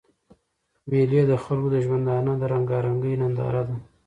مېلې د خلکو د ژوندانه د رنګارنګۍ ننداره ده.